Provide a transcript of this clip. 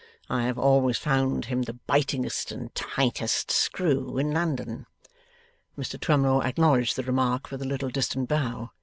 I have always found him the bitingest and tightest screw in London.' Mr Twemlow acknowledged the remark with a little distant bow.